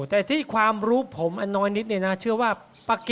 หากินยาก